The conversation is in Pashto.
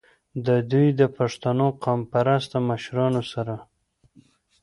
د دوي د پښتنو قام پرست مشرانو سره